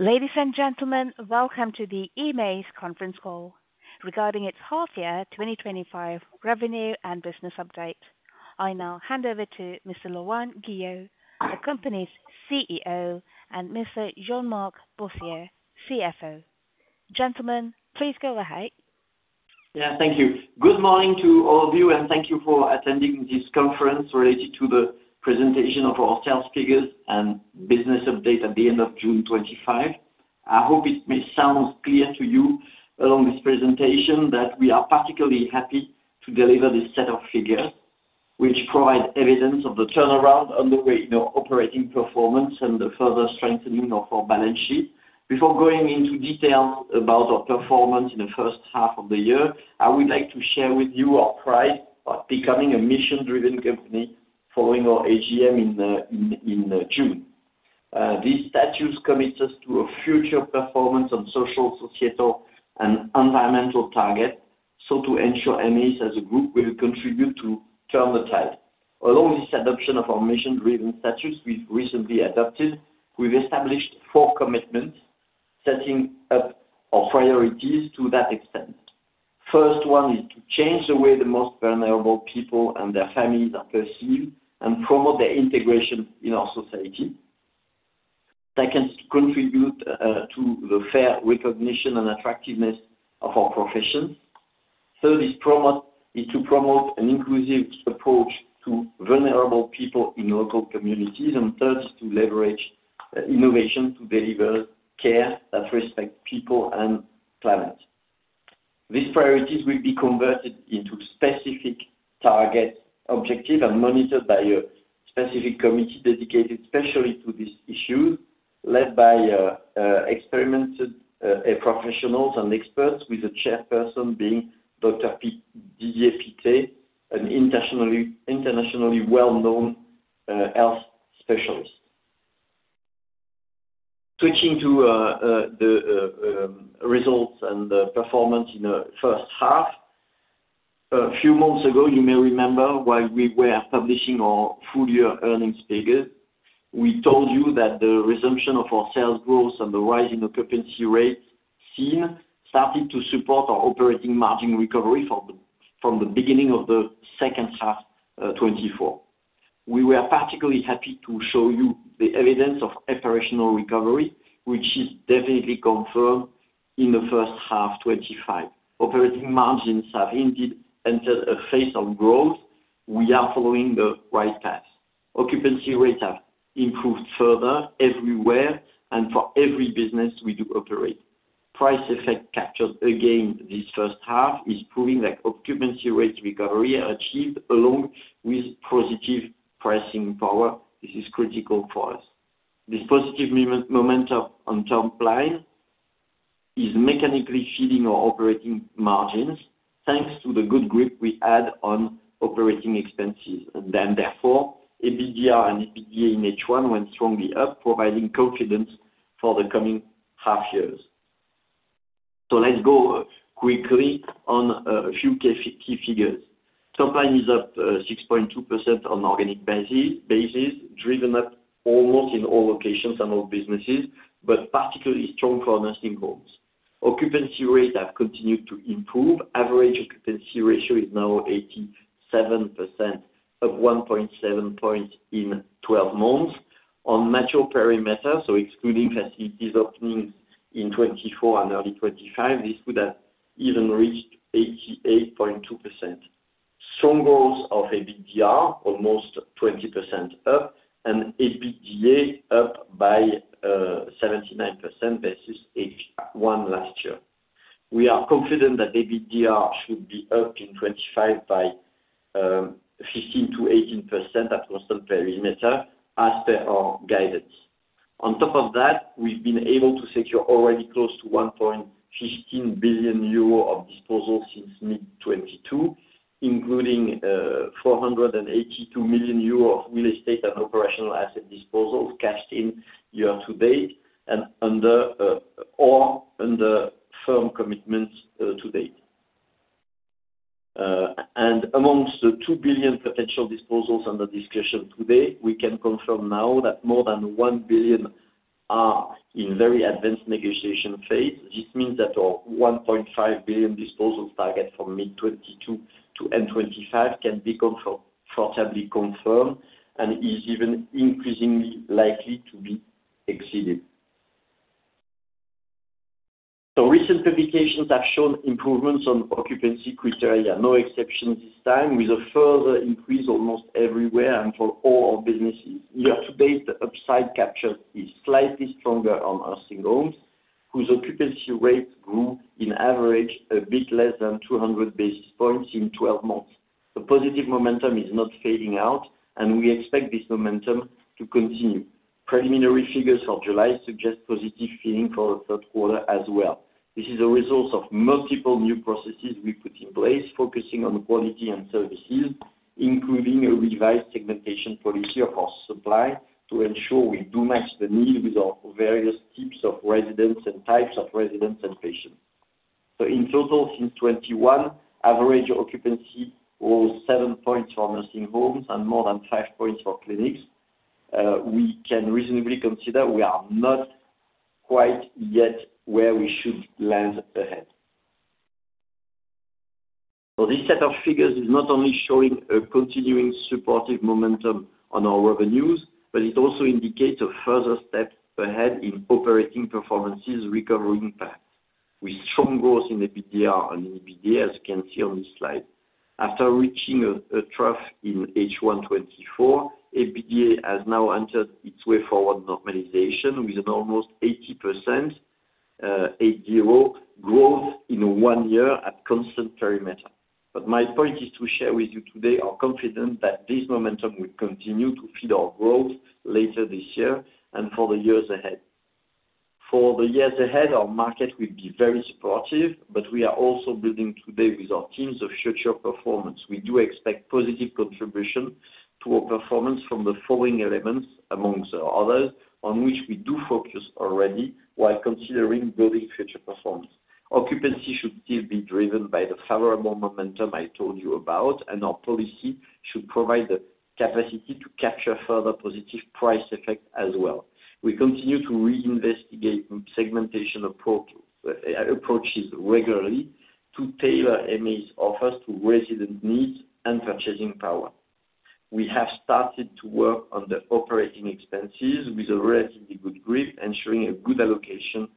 Ladies and gentlemen, welcome to the EMAI's conference call regarding its half year 2025 revenue and business update. I now hand over to Mr. Laurent Guillaume, the company's CEO and Mr. Jean Marc Bossier, CFO. Gentlemen, please go ahead. Yes. Thank you. Good morning to all of you, and thank you for attending this conference related to the presentation of our sales figures and business update at the June '25. I hope it may sound clear to you along this presentation that we are particularly happy to deliver this set of figures, which provide evidence of the turnaround on the operating performance and the further strengthening of our balance sheet. Before going into detail about our performance in the first half of the year, I would like to share with you our pride of becoming a mission driven company following our AGM in June. These statutes commit us to a future performance on social societal and environmental target, so to ensure AMEES as a group will contribute to turn the tide. Along this adoption of our mission driven statutes we've recently adopted, we've established four commitments, setting up our priorities to that extent. First one is to change the way the most vulnerable people and their families are perceived and promote the integration in our society. Second, contribute to the fair recognition and attractiveness of our profession. Third is to promote an inclusive approach to vulnerable people in local communities. And third is to leverage innovation to deliver care that respects people and planet. These priorities will be converted into specific target objectives and monitored by a specific committee dedicated especially to these issues led by experiment professionals and experts with a chairperson being Doctor. Diepiquet, an internationally well known health specialist. Switching to the results and performance in the first half. A few months ago, you may remember while we were publishing our full year earnings figures, we told you that the resumption of our sales growth and the rising occupancy rates seen started to support our operating margin recovery from the beginning of the second half twenty twenty four. We were particularly happy to show you the evidence of operational recovery, which is definitely confirmed in the first half twenty twenty five. Operating margins have indeed entered a phase of growth. We are following the right path. Occupancy rates have improved further everywhere and for every business we do operate. Price effect captured again this first half is proving that occupancy rate recovery achieved along with positive pricing power. This is critical for us. This positive momentum on top line is mechanically feeding our operating margins, thanks to the good grip we had on operating expenses. Then therefore, EBITDA and EBITDA in H1 went strongly up providing confidence for the coming half years. So let's go quickly on a few key figures. Topline is up 6.2% on an organic basis, driven up almost in all locations and all businesses, but particularly strong for nursing homes. Occupancy rates have continued to improve. Average occupancy ratio is now 87%, of 1.7 points in twelve months. On mature perimeter, so excluding facilities opening in 2024 and early twenty twenty five, this would have even reached 88.2%. Strong growth of EBITDA, almost 20% up, and EBITDA up by 79% versus H1 last year. We are confident that EBITDA should be up in 25% by 15% to 18% at constant perimeter as per our guidance. On top of that, we've been able to secure already close to 1,150,000,000.00 euro of disposals since mid-twenty twenty two, including €482,000,000 of real estate and operational asset disposals cashed in year to date and under under firm commitments to date. And amongst the 2,000,000,000 potential disposals under discussion today, we can confirm now that more than 1,000,000,000 are in very advanced negotiation phase. This means that our 1,500,000,000.0 disposals target from mid-twenty two to end twenty twenty five can be comfortably confirmed and is even increasingly likely to be exceeded. The recent publications have shown improvements on occupancy criteria, no exceptions this time with a further increase almost everywhere and for all our businesses. Year to date, the upside capture is slightly stronger on nursing homes, whose occupancy rates grew in average a bit less than 200 basis points in twelve months. The positive momentum is not fading out, and we expect this momentum to continue. Preliminary figures of July suggest positive feeling for the third quarter as well. This is a result of multiple new processes we put in place, focusing on quality and services, including a revised segmentation policy of our supply to ensure we do match the need with our various types of residents and types of residents and patients. So in total since 2021 average occupancy was seven points for nursing homes and more than five points for clinics. We can reasonably consider we are not quite yet where we should land ahead. So this set of figures is not only showing a continuing supportive momentum on our revenues, but it also indicates a further step ahead in operating performances recovering that with strong growth in EBITDA and EBITDA as you can see on this slide. After reaching a trough in H1 twenty twenty four, EBITDA has now entered its way forward normalization with an almost 80% growth in one year at constant perimeter. But my point is to share with you today our confidence that this momentum will continue to feed our growth later this year and for the years ahead. For the years ahead, our market will be very supportive, but we are also building today with our teams of future performance. We do expect positive contribution to our performance from the following elements amongst others on which we do focus already while considering building future performance. Occupancy should still be driven by the favorable momentum I told you about, and our policy should provide the capacity to capture further positive price effect as well. We continue to reinvestigate segmentation approaches regularly to tailor MA's offers to resident needs and purchasing power. We have started to work on the operating expenses with a relatively good grip, ensuring a good allocation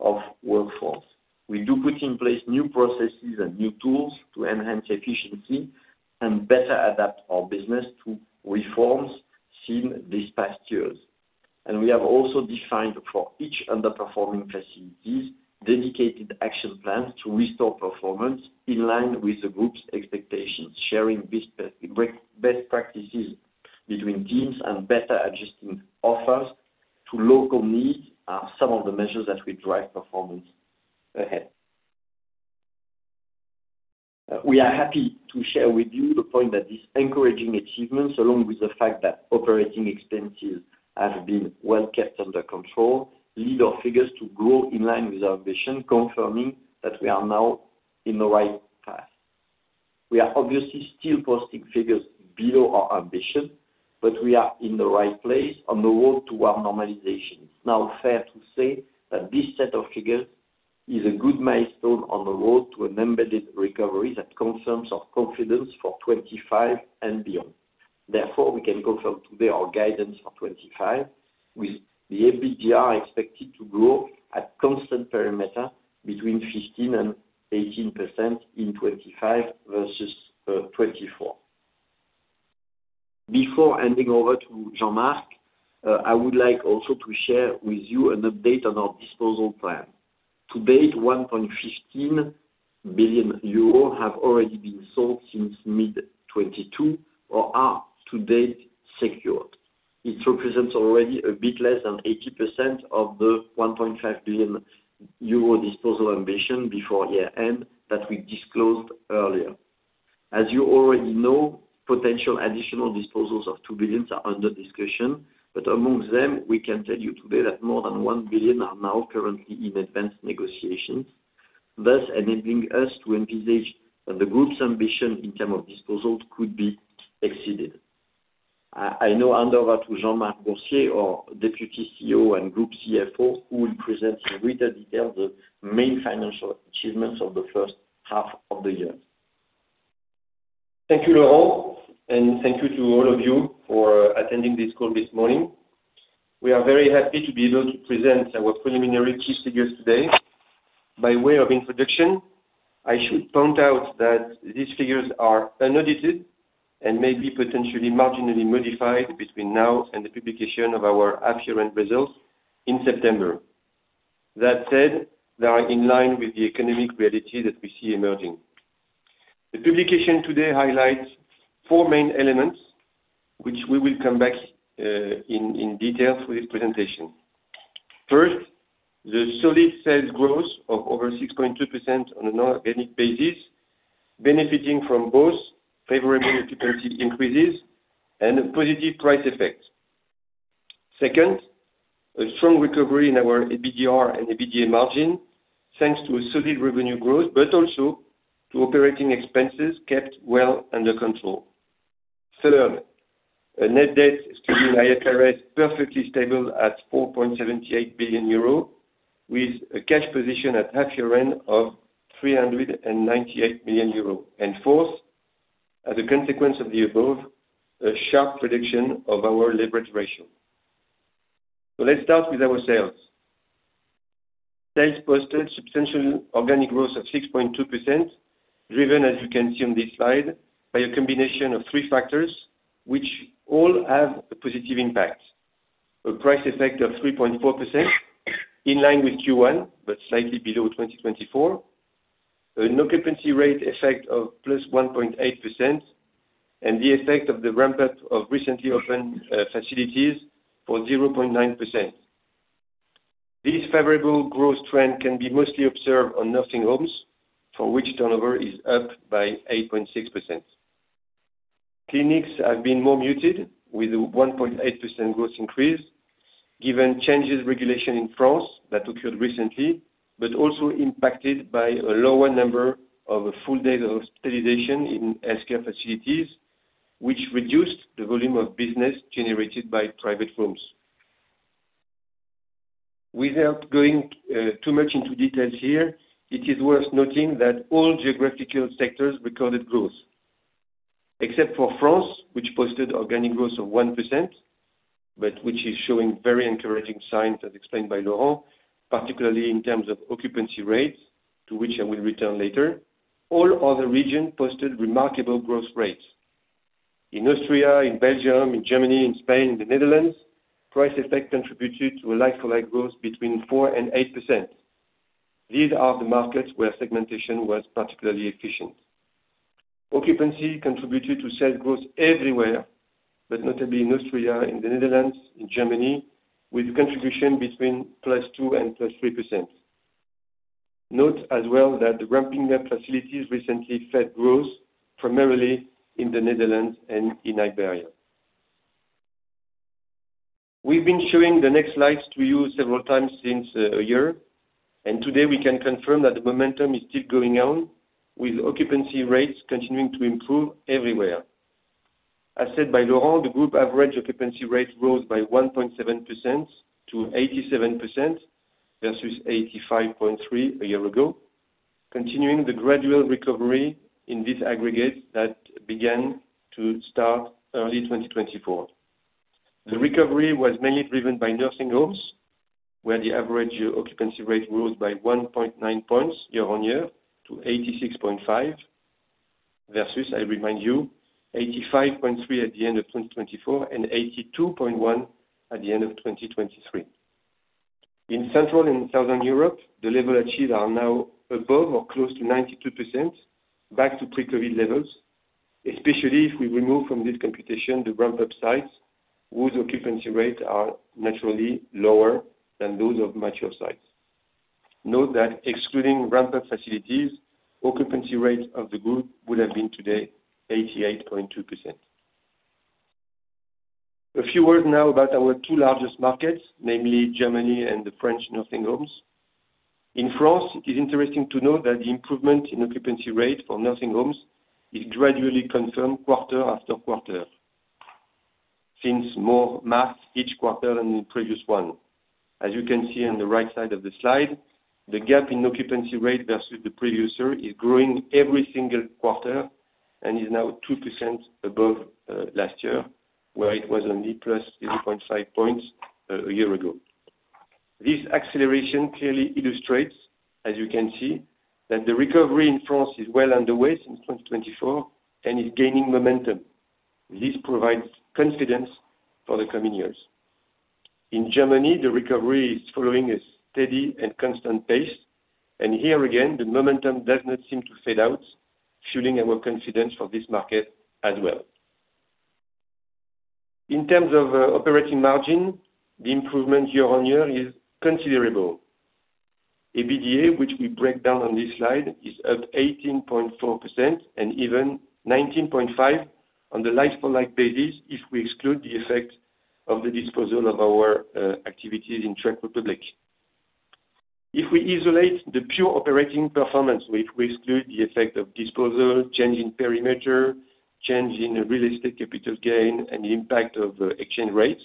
of workforce. We do put in place new processes and new tools to enhance efficiency and better adapt our business to reforms seen these past years. And we have also defined for each underperforming facilities dedicated action plans to restore performance in line with the group's expectations, sharing best practices between teams and better adjusting offers to local needs are some of the measures that will drive performance ahead. We are happy to share with you the point that these encouraging achievements along with the fact that operating expenses have been well kept under control, lead our figures to grow in line with our ambition, confirming that we are now in the right path. We are obviously still posting figures below our ambition, but we are in the right place on the road toward normalization. It's now fair to say that this set of figures is a good milestone on the road to an embedded recovery that confirms our confidence for 2025 and beyond. Therefore, we can confirm today our guidance of 2025 with the EBITDA expected to grow at constant perimeter between 1518% in 2025 versus 2024. Before handing over to Jean Marc, I would like also to share with you an update on our disposal plan. To date 1,150,000,000.00 euros have already been sold since mid-twenty twenty two or are to date secured. This represents already a bit less than 80% of the 1,500,000,000.0 euro disposal ambition before year end that we disclosed earlier. As you already know, potential additional disposals of €2,000,000,000 are under discussion, but amongst them, we can tell you today that more than €1,000,000,000 are now currently in advanced negotiations, thus enabling us to envisage that the group's ambition in term of disposals could be exceeded. I now hand over to Jean Marc Bonsier, our Deputy CEO and Group CFO, who will present in greater detail the main financial achievements of the first half of the year. Thank you, Laurent, and thank you to all of you for attending this call this morning. We are very happy to be able to present our preliminary key figures today. By way of introduction, I should point out that these figures are unaudited and may be potentially marginally modified between now and the publication of our Assurant results in September. That said, they are in line with the economic reality that we see emerging. The publication today highlights four main elements, which we will come back in detail through this presentation. First, the solid sales growth of over 6.2% on an organic basis, benefiting from both favorable occupancy increases and positive price effects. Second, a strong recovery in our EBITDAR and EBITDA margin, thanks to a solid revenue growth, but also to operating expenses kept well under control. Third, net debt excluding IFRS perfectly stable at 4.78 billion euro, with a cash position at half year end of €398,000,000 And fourth, as a consequence of the above, a sharp reduction of our leverage ratio. So let's start with our sales. Sales posted substantial organic growth of 6.2%, driven, as you can see on this slide, by a combination of three factors, which all have a positive impact: a price effect of 3.4, in line with Q1, but slightly below 2024, an occupancy rate effect of plus 1.8% and the effect of the ramp up of recently opened facilities for 0.9%. This favorable growth trend can be mostly observed on nursing homes, for which turnover is up by 8.6%. Clinics have been more muted with a 1.8% growth increase, given changes in regulation in France that occurred recently, but also impacted by a lower number of full days of stabilization in health care facilities, which reduced the volume of business generated by private rooms. Without going too much into details here, it is worth noting that all geographical sectors recorded growth, except for France, which posted organic growth of 1%, but which is showing very encouraging signs as explained by Laurent, particularly in terms of occupancy rates, to which I will return later, all other regions posted remarkable growth rates. In Austria, in Belgium, in Germany, in Spain, The Netherlands, price effect contributed to a like for like growth between 48%. These are the markets where segmentation was particularly efficient. Occupancy contributed to sales growth everywhere, but notably in Austria, in The Netherlands, in Germany, with contribution between plus 2% and plus 3%. Note as well that the ramping up facilities recently fed growth primarily in The Netherlands and in Iberia. We've been showing the next slides to you several times since a year, and today we can confirm that the momentum is still going on with occupancy rates continuing to improve everywhere. As said by Laurent, the group average occupancy rate rose by 1.7% to 87% versus 85.3% a year ago, continuing the gradual recovery in this aggregate that began to start early twenty twenty four. The recovery was mainly driven by nursing homes, where the average occupancy rate rose by 1.9 points year on year to 86.5 versus, I remind you, 85.3 at the 2024 and eighty two point one at the 2023. In Central And Southern Europe, the level achieved are now above or close to ninety two percent back to pre COVID levels, especially if we remove from this computation the ramp up sites whose occupancy rates are naturally lower than those of mature sites. Note that excluding ramp up facilities, occupancy rates of the group would have been today eighty eight point two percent. A few words now about our two largest markets, namely Germany and the French nursing homes. In France, it is interesting to note that the improvement in occupancy rate for nursing homes is gradually confirmed quarter after quarter, since more math each quarter than the previous one. As you can see on the right side of the slide, the gap in occupancy rate versus the previous year is growing every single quarter and is now 2% above last year, where it was only plus 0.5 points a year ago. This acceleration clearly illustrates, as you can see, that the recovery in France is well underway since 2024 and is gaining momentum. This provides confidence for the coming years. In Germany, the recovery is following a steady and constant pace. And here again, the momentum does not seem to fade out, fueling our confidence for this market as well. In terms of operating margin, the improvement year on year is considerable. EBITDA, which we break down on this slide, is up 18.4% and even 19.5 on the like for like basis if we exclude the effect of the disposal of our activities in Czech Republic. If we isolate the pure operating performance, which we exclude the effect of disposal, change in perimeter, change in real estate capital gain and the impact of exchange rates.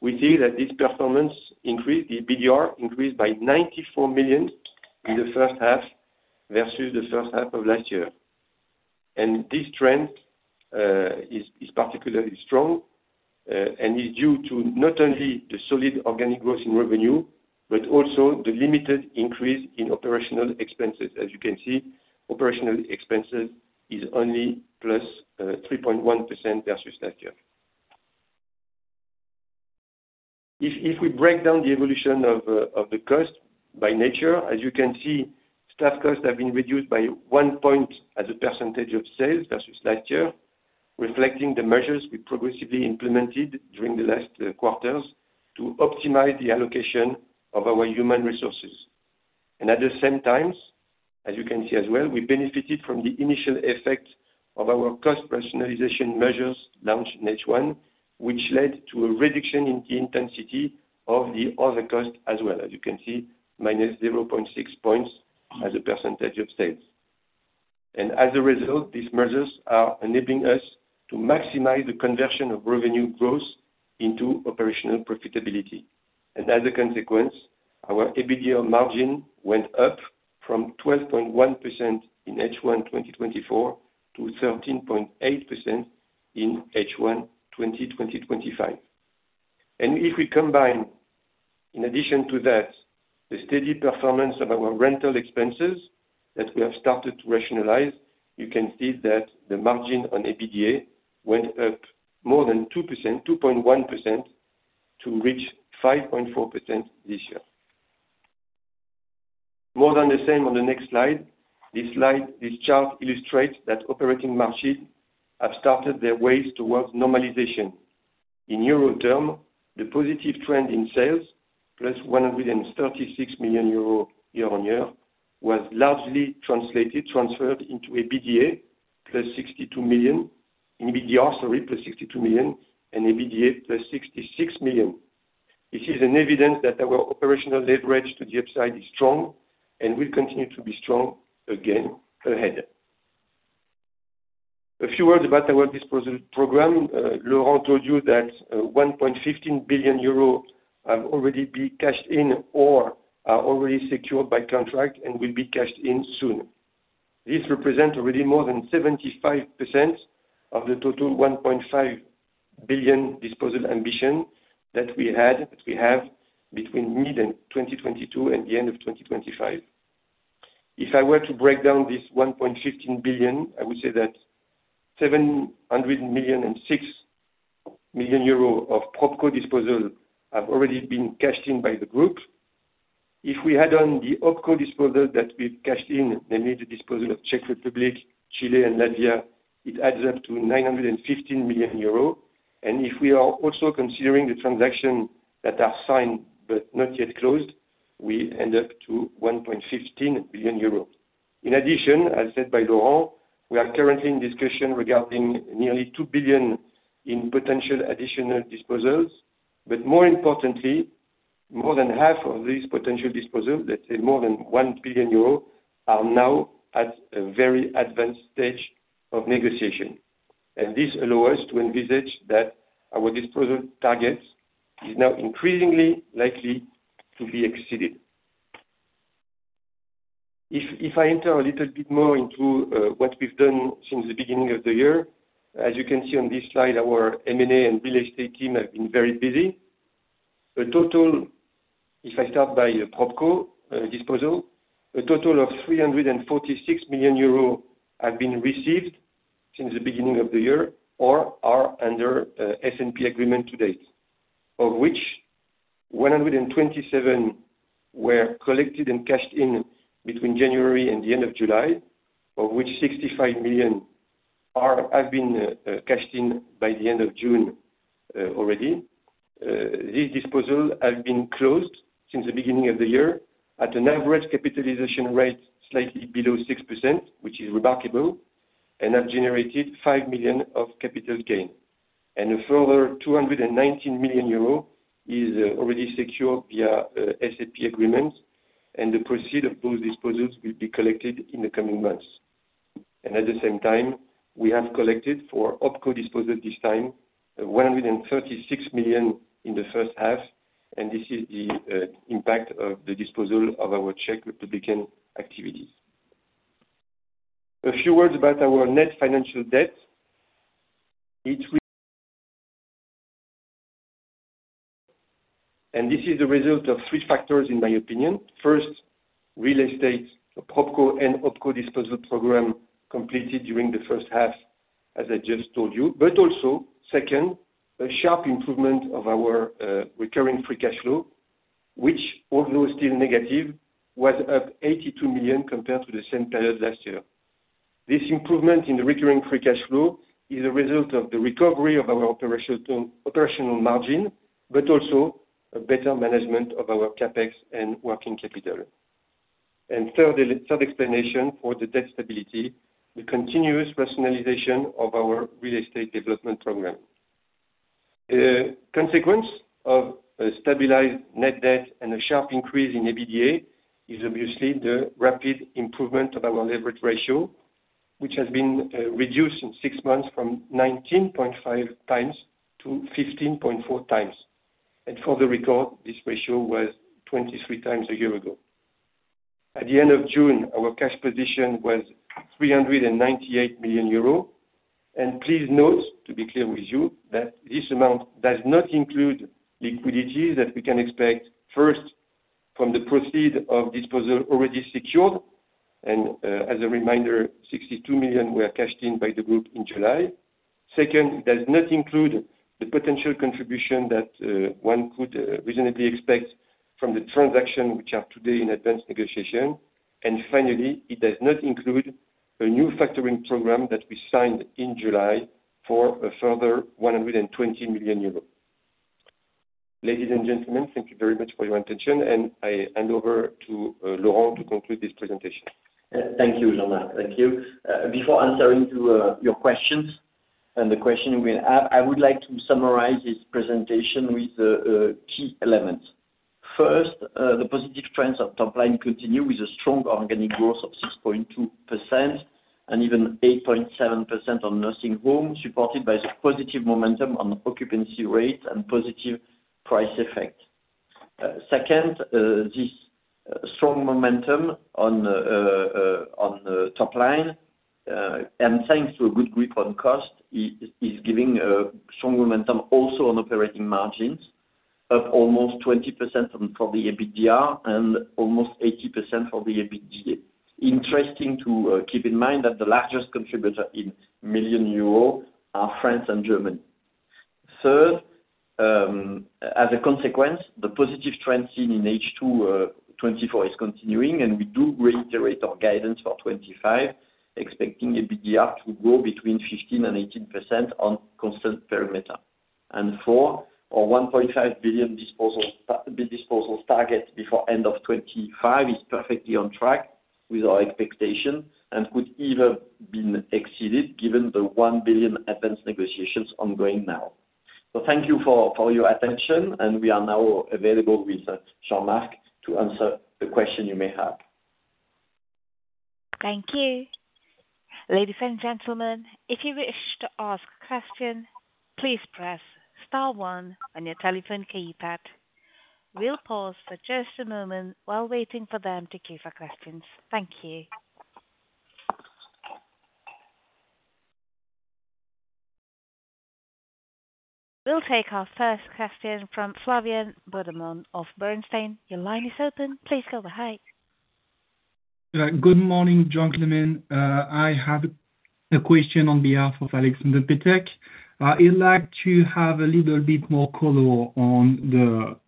We see that this performance increased the EBITDAR increased by 94 million in the first half versus the first half of last year. And this trend is particularly strong and is due to not only the solid organic growth in revenue, but also the limited increase in operational expenses. As you can see, operational expenses is only plus 3.1% versus last year. If we break down the evolution of the cost by nature, as you can see, staff costs have been reduced by one point as a percentage of sales versus last year, reflecting the measures we progressively implemented during the last quarters to optimize the allocation of our human resources. And at the same times, as you can see as well, we benefited from the initial effect of our cost rationalization measures launched in H1, which led to a reduction in the intensity of the other costs as well. As you can see, minus 0.6 points as a percentage of sales. And as a result, these measures are enabling us to maximize the conversion of revenue growth into operational profitability. And as a consequence, our EBITDA margin went up from 12.1% in H1 twenty twenty four to 13.8% in H1 twenty twenty five. And if we combine, in addition to that, the steady performance of our rental expenses that we have started to rationalize, you can see that the margin on EBITDA went up more than 22.1% to reach 5.4% this year. More than the same on the next slide, this chart illustrates that operating margin have started their ways towards normalization. In euro term, the positive trend in sales plus 136 million euros year on year was largely translated transferred into EBITDA plus 62 million and EBITDA plus 66 million. This is an evidence that our operational leverage to the upside is strong and will continue to be strong again ahead. A few words about our disposal program. Laurent told you that 1,150,000,000.00 euro have already been cashed in or are already secured by contract and will be cashed in soon. This represents already more than 75% of the total 1,500,000,000.0 disposal ambition that we have between mid-twenty twenty two and the 2025. If I were to break down this 1,150,000,000.00, I would say that 700,000,000 and 6,000,000 euro of PropCo disposal have already been cashed in by the group. If we had done the OpCo disposal that we've cashed in, namely the disposal of Czech Republic, Chile and Latvia, it adds up to EUR $915,000,000. And if we are also considering the transaction that are signed but not yet closed, we end up to 1,150,000,000.00 euros. In addition, as said by Laurent, we are currently in discussion regarding nearly €2,000,000,000 in potential additional disposals. But more importantly, more than half of these potential disposals, let's say more than €1,000,000,000 are now at a very advanced stage of negotiation. And this allow us to envisage that our disposal targets is now increasingly likely to be exceeded. If I enter a little bit more into what we've done since the beginning of the year, as you can see on this slide, our M and A and real estate team have been very busy. The total if I start by PropCo disposal, a total of EUR $346,000,000 have been received since the beginning of the year or are under S and P agreement to date, of which €127,000,000 were collected and cashed in between January and the July, of which €65,000,000 have been cashed in by the June already. This disposal has been closed since the beginning of the year at an average capitalization rate slightly below 6%, which is remarkable, and have generated 5,000,000 of capital gain. And a further EUR $219,000,000 is already secured via SAP agreements and the proceeds of those disposals will be collected in the coming months. And at the same time, we have collected for OpCo disposal this time 136 million in the first half, and this is the impact of the disposal of our Czech Republic activities. A few words about our net financial debt. It's and this is the result of three factors in my opinion. First, real estate, the PropCo and OpCo disposal program completed during the first half, as I just told you. But also, second, a sharp improvement of our recurring free cash flow, which although still negative, was up 82,000,000 compared to the same period last year. This improvement in the recurring free cash flow is a result of the recovery of our operational margin, but also a better management of our CapEx and working capital. And third, a third explanation for the debt stability, the continuous rationalization of our real estate development program. A consequence of stabilized net debt and a sharp increase in EBITDA is obviously the rapid improvement of our leverage ratio, which has been reduced in six months from 19.5 times to 15.4 times. And for the record, this ratio was 23 times a year ago. At the June, our cash position was EUR $398,000,000. And please note, to be clear with you, that this amount does not include liquidity that we can expect first from the proceed of disposal already secured. And as a reminder, 62,000,000 were cashed in by the group in July. Second, it does not include the potential contribution that one could reasonably expect from the transaction which are today in advanced negotiation. And finally, it does not include a new factoring program that we signed in July for a further 120,000,000 euros. Ladies and gentlemen, thank you very much for your attention, and I hand over to Laurent to conclude this presentation. Thank you, Jean Marc. Thank you. Before answering to your questions and the question we have, I would like to summarize this presentation with key elements. First, the positive trends of top line continue with a strong organic growth of 6.2% and even 8.7% on nursing homes, supported by the positive momentum on occupancy rates and positive price effect. Second, this strong momentum on the top line and thanks to a good grip on cost is giving a strong momentum also on operating margins, up almost 20% for the EBITDA and almost 80 for the EBITDA. Interesting to keep in mind that the largest contributor in 1,000,000 euro are France and Germany. Third, as a consequence, the positive trends seen in H2 twenty twenty four is continuing and we do reiterate our guidance for 2025, expecting EBITDA to grow between 1518% on constant perimeter. And four, our 1,500,000,000.0 disposals target before 2025 is perfectly on track with our expectation and could even been exceeded given the 1,000,000,000 advance negotiations ongoing now. So thank you for your attention, and we are now available with Jean Marc to answer the question you may have. Thank We'll take our first question from Flavian Boedermann of Bernstein. Your line is open. Please go ahead. Good morning, gentlemen. I have a question on behalf of Alexander Patek. He'd like to have a little bit more color on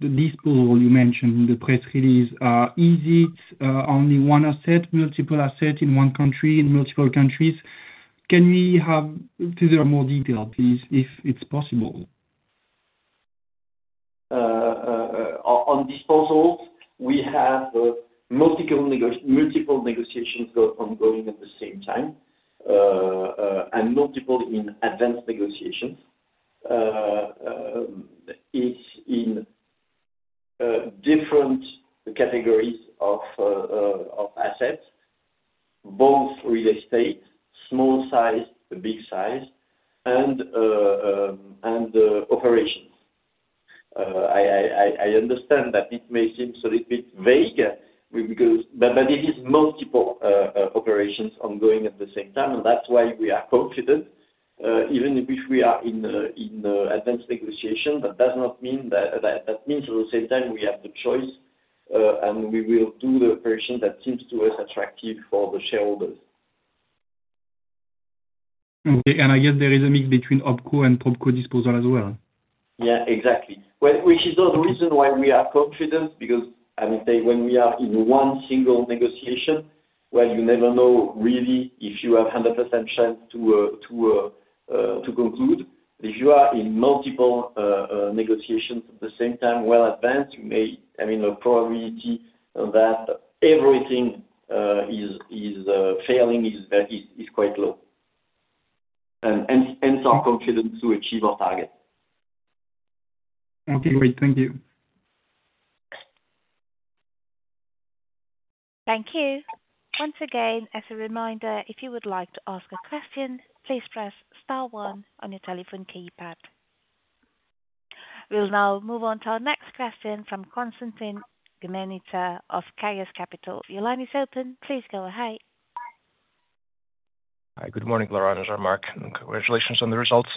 the disposal you mentioned in the press release. Is it only one asset, multiple assets in one country, in multiple countries? Can we more detail please if it's possible? On disposals, we have multiple negotiations ongoing at the same time and multiple in advanced negotiations. It's in different categories of assets, both real estate, small size, the big size and operations. I understand that it may seem a little bit vague because but it is multiple operations ongoing at the same time, that's why we are confident even if we are in advanced negotiation, but that does not mean that means at the same time, we have the choice and we will do the operation that seems to us attractive for the shareholders. Okay. And I guess there is a mix between OpCo and PropCo disposal as well. Yes, exactly. Which is the reason why we are confident because I would say when we are in one single negotiation where you never know really if you have 100% chance to conclude. If you are in multiple negotiations at the same time well advanced, you may have a that everything failing is quite low and some confidence to achieve our target. Okay, great. Thank you. Thank you. We'll now move on to our next question from Constantin Gomenica of KAYUS Capital. Congratulations on the results.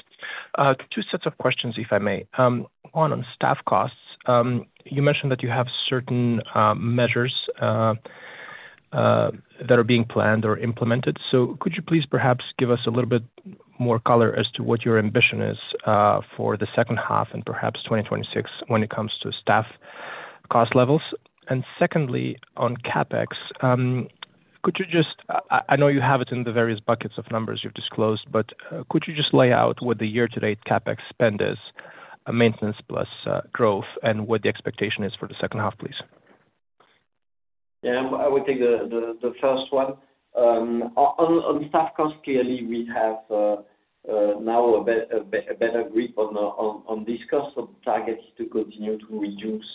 Two sets of questions, if I may. One on staff costs, you mentioned that you have certain measures that are being planned or implemented. So could you please perhaps give us a little bit more color as to what your ambition is for the second half and perhaps 2026 when it comes to staff cost levels? And secondly, on CapEx, could you just I know you have it in the various buckets of numbers you've disclosed, but could you just lay out what the year to date CapEx spend is, maintenance plus growth? And what the expectation is for the second half, please? Yes. I would take the first one. On staff cost, clearly, we have now a better grip on this cost of targets to continue to reduce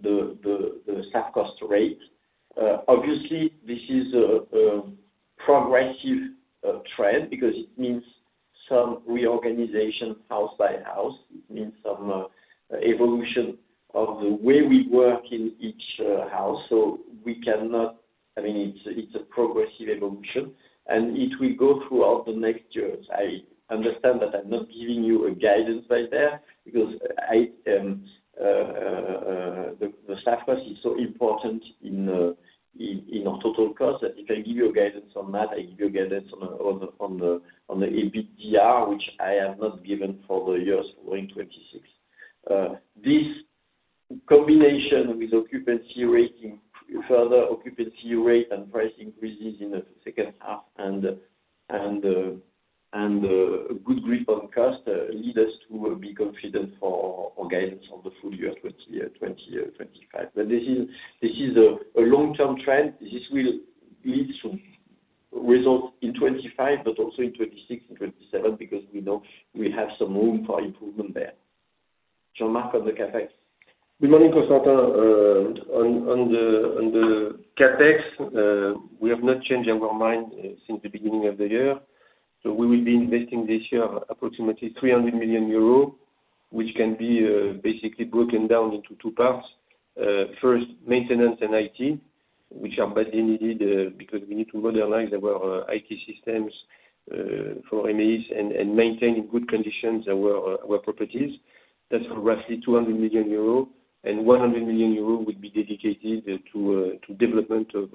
the staff cost rate. Obviously, this is a progressive trend because it means some reorganization house by house. It means some evolution of the way we work in each house. So we cannot and 100,000,000 euros will be dedicated to development of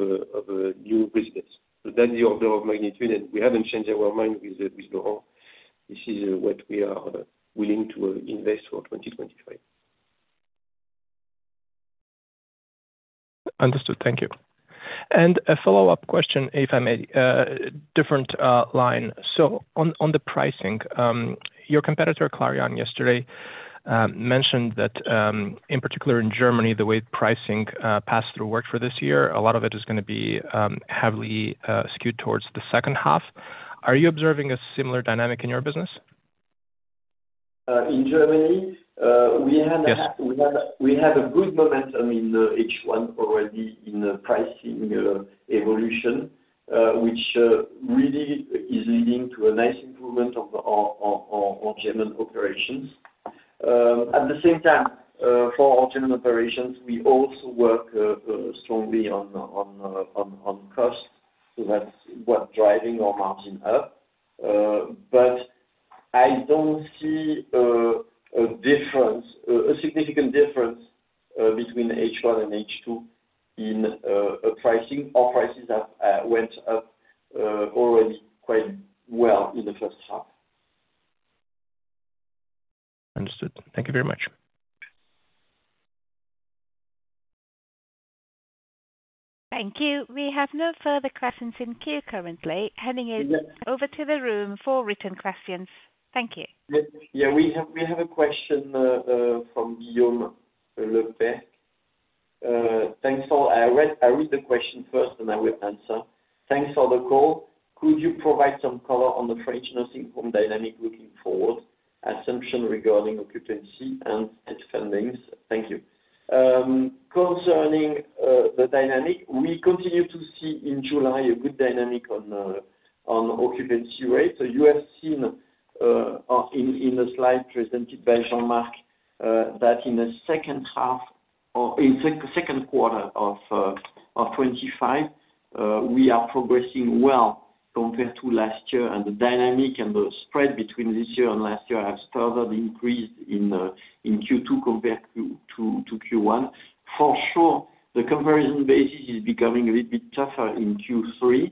new business. So that's the order of magnitude, and we haven't changed our mind with Laurent. This is what we are willing to invest for 2023. Understood. Thank you. And a follow-up question, if I may, different line. So on the pricing, your competitor Clarion yesterday mentioned that in particular in Germany, the way pricing pass through worked for this year, a lot of it is going to be heavily skewed towards the second half. Are you observing a similar dynamic in your business? In Germany, had a good momentum in H1 already in the pricing evolution, which really is leading to a nice improvement of our German operations. At the same time, for our German operations, we also work strongly on cost, So that's what's driving our margin up. But I don't see a difference a significant difference between H1 and H2 in pricing. Our prices have went up already quite well in the first half. Understood. Thank you very much. Thank you. We have no further questions in queue currently. Heading it over to the room for written questions. Thank you. Yeah. We have we have a question from Guillaume Lepe. Thanks for I the question first and I will answer. Thanks for the call. Could you provide some color on the French nursing home dynamic looking forward assumption regarding occupancy and its fundings? Thank you. Concerning the dynamic, we continue to see in July a good dynamic on occupancy rates. So you have seen in the slide presented by Jean Marc that in the second half or in the 2025, are progressing well compared to last year and the dynamic and the spread between this year and last year has further increased in Q2 compared to Q1. For sure, the comparison basis is becoming a little bit tougher in Q3,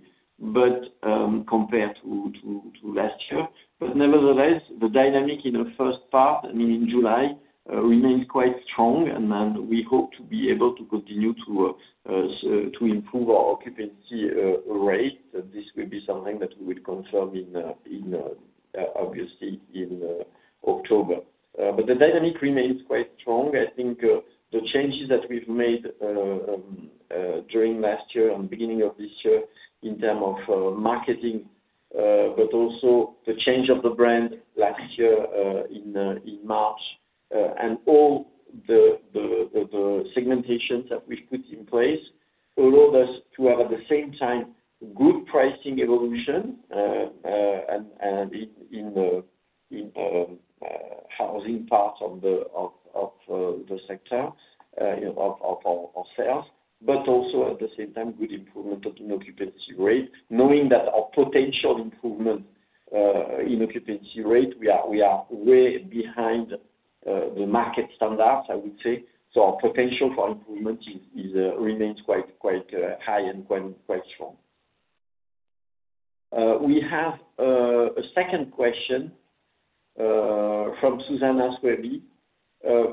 but compared to last year. But nevertheless, the dynamic in the first part, I mean, in July remains quite strong and we hope to be able to continue to improve our occupancy rate. This will be something that we will confirm in obviously in October. But the dynamic remains quite strong. I think the changes that we've made during last year and beginning of this year in term of marketing, but also the change of the brand last year in March and all the segmentations that we've put in place, all of us to have at the same time, good pricing evolution in the housing part of the sector of our sales, but also at the same time, good improvement in occupancy rate, knowing that our potential improvement in occupancy rate, are way behind the market standards, I would say. So our potential for improvement remains quite high and quite strong. We have a second question from Susana Swebe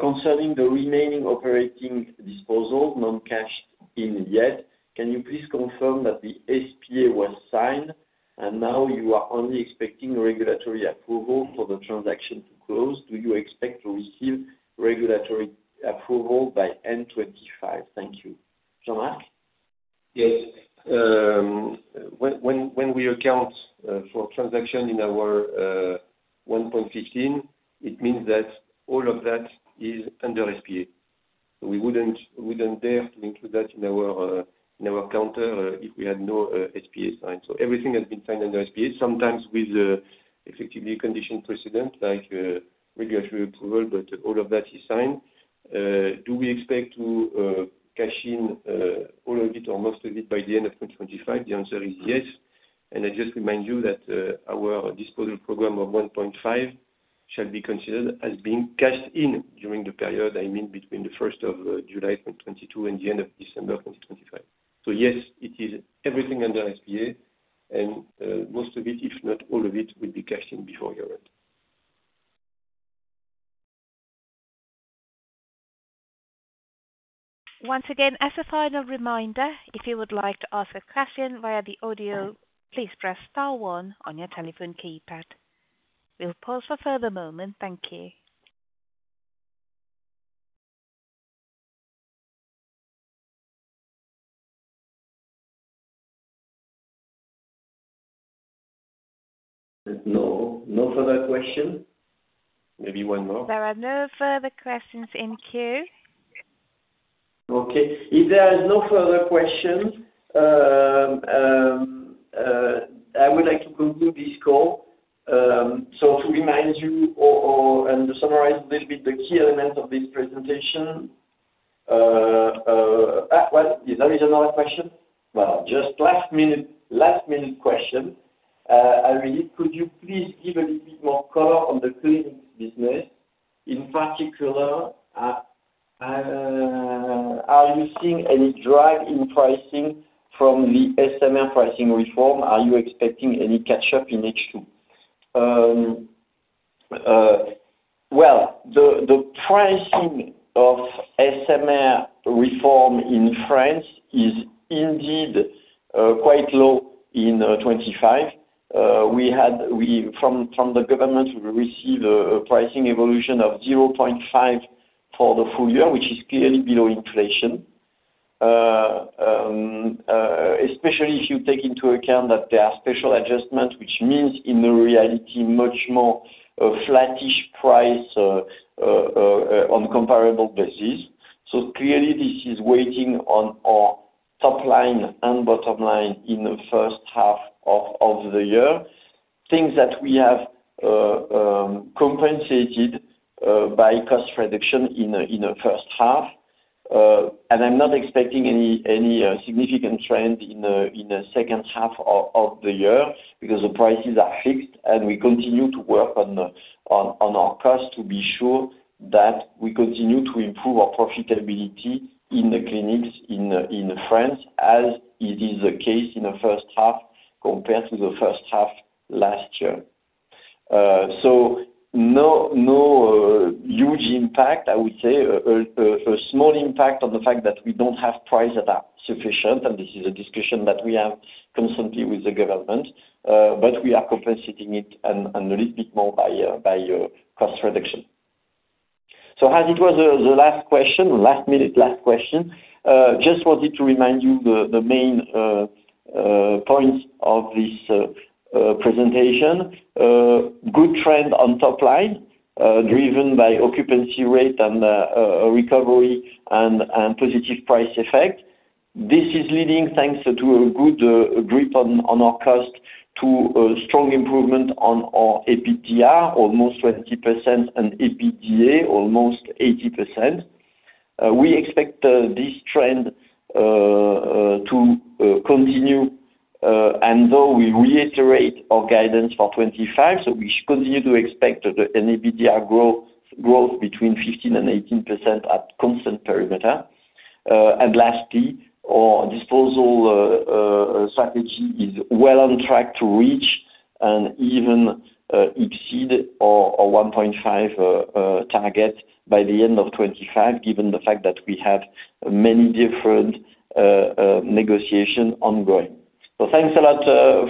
concerning the remaining operating disposal non cash in yet. Can you please confirm that the SPA was signed and now you are only expecting regulatory approval for the transaction to close? Do you expect to receive regulatory approval by end twenty twenty five? Thank you. Jean Marc? Yes. When we account for transaction in our 1.15, it means that all of that is under SPA. We wouldn't dare to include that in our counter if we had no SPA signed. So everything has been signed under SPA, sometimes with effectively a condition precedent like regulatory approval, but all of that is signed. Do we expect to cash in all of it or most of it by the 2025? The answer is yes. And I just remind you that our disposal program of €1.5 shall be considered as being cashed in during the period, I mean between the 07/01/2022 and the December 2025. So yes, it is everything under SPA and most of it, if not all of it, will be cashed in before year Once again, as a final reminder, if you would like to ask a question via the audio, press star one on your telephone keypad. We'll pause for further moment. Thank you. No. No further question? Maybe one more. There are no further questions in queue. Okay. If there are no further questions, I would like to conclude this call. So to remind you and summarize a little bit the key elements of this presentation. That was, is there another question? Well, just last minute question. Irene, could you please give a little bit more color on the cleaning business? In particular, are you seeing any drag in pricing from the SME pricing reform? Are you expecting any catch up in H2? Well, the pricing of SMA reform in France is indeed quite low in 2025. We had we from the government, we received a pricing evolution of 0.5% for the full year, which is clearly below inflation, especially if you take into account that there are special adjustments, which means in the reality much more flattish price on comparable basis. So clearly, this is waiting on our top line and bottom line in the first half of the year. Things that we have compensated by cost reduction in the first half. And I'm not expecting any significant trend in the second half of the year because the prices are fixed and we continue to work on our cost to be sure that we continue to improve our profitability in the clinics in France as it is the case in the first half compared to the first half last year. So no huge impact, I would say, a small impact on the fact that we don't have price that are sufficient, and this is a discussion that we have constantly with the government. But we are compensating it and a little bit more by cost reduction. So as it was the last question, last minute last question, just wanted to remind you the main points of this presentation. Good trend on top line, driven by occupancy rate and recovery and positive price effect. This is leading, thanks to a good grip on our cost to a strong improvement on our EBITDA, almost 20% and EBITDA, almost 80%. We expect this trend to continue. And though we reiterate our guidance for 2025, so we should continue to expect an EBITDA growth between 1518% at constant perimeter. And lastly, our disposal strategy is well on track to reach and even exceed our 1.5 target by the 2025, given the fact that we have many different negotiation ongoing. So thanks a lot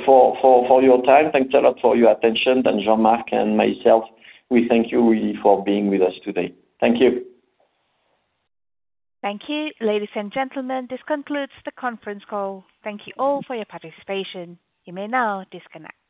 for your time. Thanks a lot for your attention. And Jean Marc and myself, we thank you really for being with us today. Thank you. Thank you. Ladies and gentlemen, this concludes the conference call. Thank you all for your participation. You may now disconnect.